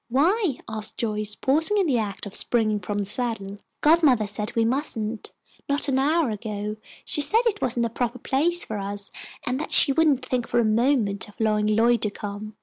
"Why?" asked Joyce, pausing in the act of springing from the saddle. "Godmother said we mustn't. Not an hour ago, she said it wasn't a proper place for us, and that she wouldn't think for a moment of allowing Lloyd to come.